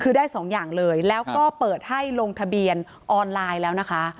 คือได้สองอย่างเลยแล้วก็เปิดให้ลงทะเบียนออนไลน์แล้วนะคะ